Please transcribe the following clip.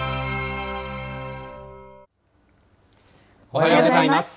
おはようございます。